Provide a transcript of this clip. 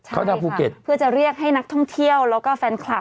เข้าทางภูเก็ตเพื่อจะเรียกให้นักท่องเที่ยวแล้วก็แฟนคลับ